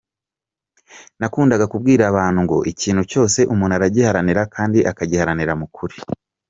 Nakundaga kubwira abantu ngo ikintu cyose umuntu aragiharanira kandi akagiharanira mu kuri.